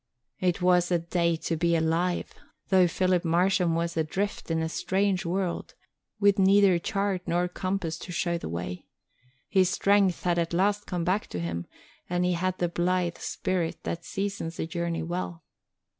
It was a day to be alive and, though Philip Marsham was adrift in a strange world, with neither chart nor compass to show the way, his strength had at last come back to him and he had the blithe spirit that seasons a journey well.